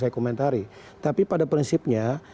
saya komentari tapi pada prinsipnya